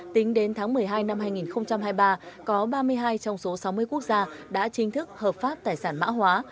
tính đến tháng một mươi hai năm hai nghìn hai mươi ba có ba mươi hai trong số sáu mươi quốc gia đã chính thức hợp pháp tài sản mã hóa